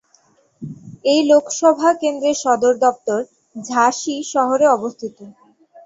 এই লোকসভা কেন্দ্রের সদর দফতর ঝাঁসি শহরে অবস্থিত।